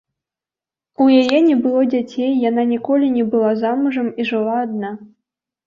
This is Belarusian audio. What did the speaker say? У яе не было дзяцей, яна ніколі не была замужам і жыла адна.